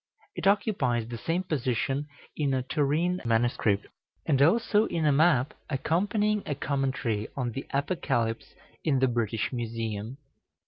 It occupies the same position in a Turin MS., and also in a map accompanying a commentary on the Apocalypse in the British Museum.